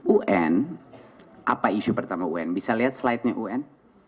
un apa isu pertama un bisa lihat slide nya un